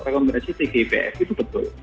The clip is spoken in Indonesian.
rekomendasi tgpf itu betul